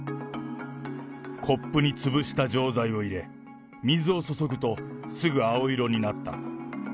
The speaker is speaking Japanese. コップに潰した錠剤を入れ、水を注ぐとすぐ青色になった。